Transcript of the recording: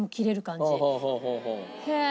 へえ！